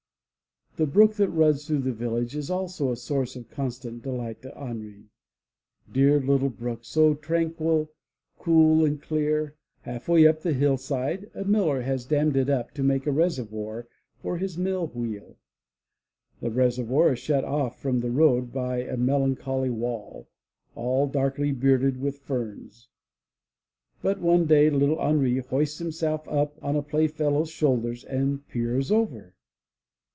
The brook that runs through the village is also a source of constant delight to Henri,— dear little brook, so tranquil, cool and clear. Half way up the hillside a miller has dammed it to make a reservoir for his mill wheel. The reservoir is shut off from the road by a melancholy wall, all darkly bearded with ferns, but one day little Henri hoists himself up on a playfellow's shoul ders and peers over.